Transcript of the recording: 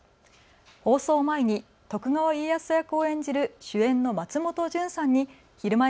放送を前に徳川家康役を演じる主演の松本潤さんにひるまえ